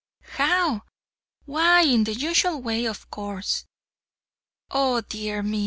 "How! why in the usual way, of course!" "Oh, dear me!